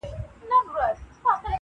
• ماته راوړه په ګېډیو کي رنګونه -